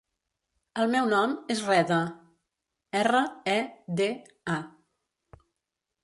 El meu nom és Reda: erra, e, de, a.